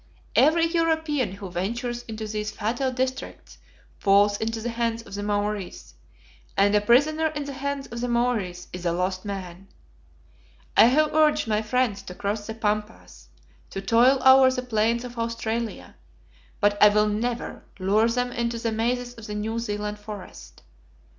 Every European who ventures into these fatal districts falls into the hands of the Maories, and a prisoner in the hands of the Maories is a lost man. I have urged my friends to cross the Pampas, to toil over the plains of Australia, but I will never lure them into the mazes of the New Zealand forest.